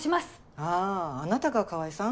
あぁあなたが川合さん。